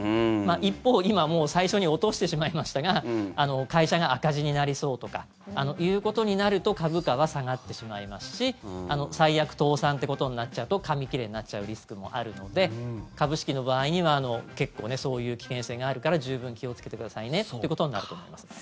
一方、今もう最初に落としてしまいましたが会社が赤字になりそうとかっていうことになると株価は下がってしまいますし最悪倒産ってことになっちゃうと紙切れになっちゃうリスクもあるので株式の場合には結構そういう危険性があるから十分気をつけてくださいねってことになると思います。